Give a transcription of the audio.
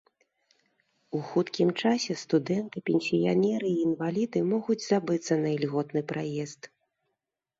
У хуткім часе студэнты, пенсіянеры і інваліды могуць забыцца на ільготны праезд.